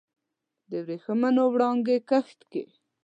د وریښمېو وړانګو کښت کې